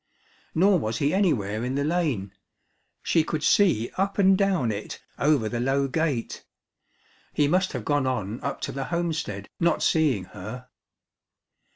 Nor was he anywhere in the lane she could see up and down it over the low gate. He must have gone on up to the homestead, not seeing her.